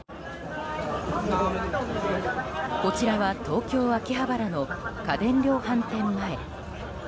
こちらは東京・秋葉原の家電量販店前。